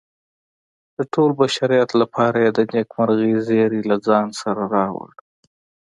د ټول بشریت لپاره یې د نیکمرغۍ زیری له ځان سره راوړ.